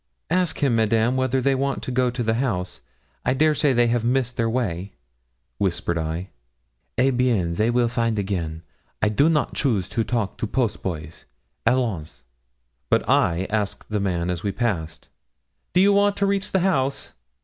'Ask him, Madame, whether they want to go to the house; I dare say they have missed their way,' whispered I. 'Eh bien, they will find again. I do not choose to talk to post boys; allons!' But I asked the man as we passed, 'Do you want to reach the house?'